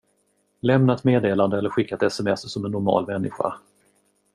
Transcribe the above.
Lämna ett meddelande eller skicka ett sms som en normal människa.